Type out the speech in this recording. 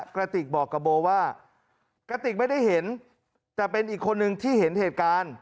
กระติกบอกกับโบว่ากระติกไม่ได้เห็นแต่เป็นอีกคนนึงที่เห็นเหตุการณ์